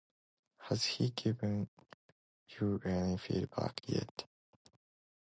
Has he given you any feedback yet?